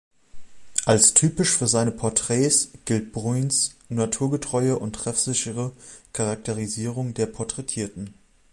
Als typisch für seine Porträts gilt Bruyns naturgetreue und treffsichere Charakterisierung der Porträtierten.